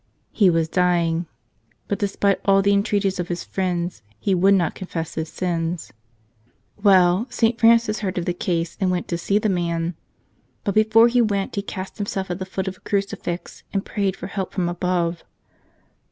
He was dying; but despite all the en¬ treaties of his friends he would not confess his sins. Well, St. Francis heard of the case and went to see the man. But before he went he cast himself at the foot of a crucifix and prayed for help from above.